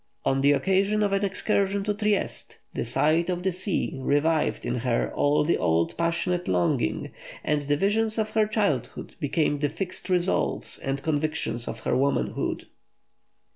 On the occasion of an excursion to Trieste, the sight of the sea revived in her all the old passionate longing, and the visions of her childhood became the fixed resolves and convictions of her womanhood.